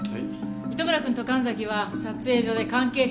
糸村くんと神崎は撮影所で関係者の証言。